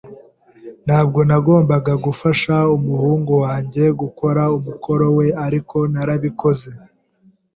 [S] Ntabwo nagombaga gufasha umuhungu wanjye gukora umukoro we, ariko narabikoze.